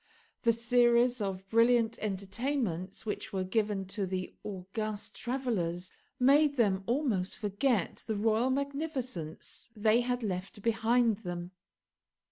The series of brilliant entertainments which were given to the august travellers made them almost forget the royal magnificence they had left behind them.